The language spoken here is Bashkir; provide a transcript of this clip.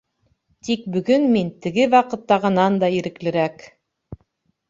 Тик бөгөн мин теге ваҡыттағынан да иреклерәк.